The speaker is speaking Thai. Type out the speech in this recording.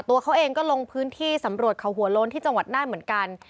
ตัวเขาเองก็ลงพื้นที่สำรวจเขาหัวโล้นที่จังหวัดน่านเหมือนกัน